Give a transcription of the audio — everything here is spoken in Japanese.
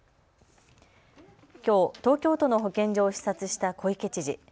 きょう東京都の保健所を視察した小池知事。